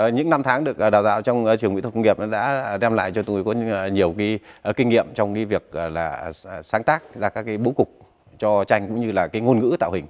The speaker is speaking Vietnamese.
những năm tháng được đào tạo trong trường kỹ thuật công nghiệp đã đem lại cho tôi nhiều kinh nghiệm trong việc sáng tác ra các bố cục cho tranh cũng như là ngôn ngữ tạo hình